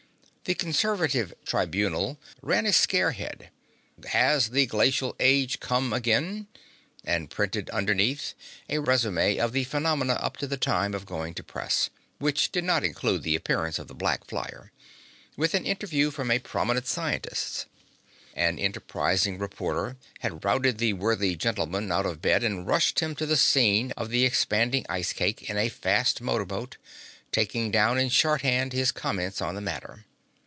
The conservative Tribunal ran a scare head: HAS THE GLACIAL AGE COME AGAIN? and printed underneath a résumé of the phenomena up to the time of going to press which did not include the appearance of the black flyer with an interview from a prominent scientist. An enterprising reporter had routed the worthy gentleman out of bed and rushed him to the scene of the expanding ice cake in a fast motor boat, taking down in shorthand his comments on the matter.